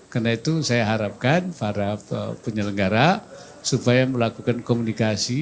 karena itu saya harapkan para penyelenggara supaya melakukan komunikasi